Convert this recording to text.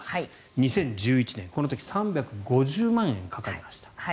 ２０１１年、この時３５０万円かかりました。